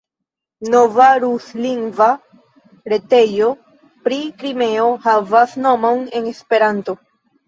Nova ruslingva retejo pri Krimeo havas nomon en Esperanto.